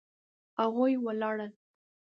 هغوی ولاړل